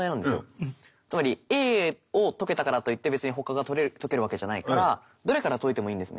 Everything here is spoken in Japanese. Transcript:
つまりＡを解けたからといって別にほかが解けるわけじゃないからどれから解いてもいいんですね。